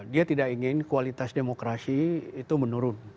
dia tidak ingin kualitas demokrasi itu menurun